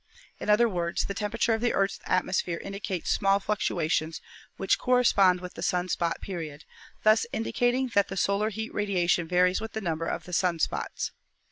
In other words, the temperature of the Earth's atmosphere indicates small fluctuations which correspond with the sun spot period, thus indicating that the solar heat radiation varies with the number of the sun spots.